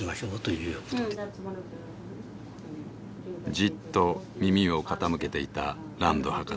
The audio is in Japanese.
じっと耳を傾けていたランド博士。